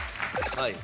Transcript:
はい。